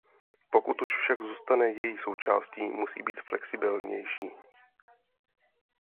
Pokud už však zůstane její součástí, musí být flexibilnější.